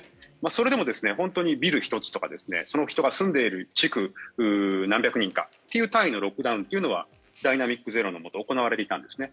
それでもビル１つとかその人が住んでいる地区何百人かというロックダウンはダイナミック・ゼロコロナのもとで行われていたんですね。